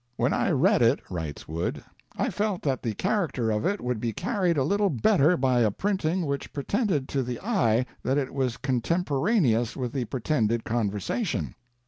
"When I read it," writes Wood, "I felt that the character of it would be carried a little better by a printing which pretended to the eye that it was contemporaneous with the pretended 'conversation.'